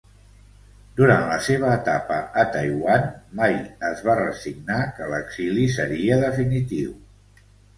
Durant la seva etapa a Taiwan mai es va resignar que l'exili seria definitiu.